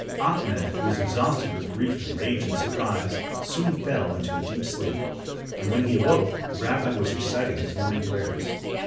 Ahmed, who was exhausted with grief and rage and surprise, soon fell into a deep sleep, and when he awoke the rabbi was reciting his morning prayers.